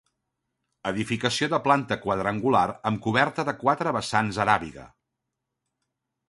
Edificació de planta quadrangular amb coberta de quatre vessants aràbiga.